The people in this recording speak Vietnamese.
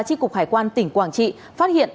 trị cục hải quan tỉnh quảng trị phát hiện